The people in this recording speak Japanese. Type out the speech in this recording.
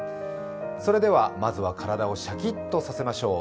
それでは、まずは体をシャッキとさせましょう。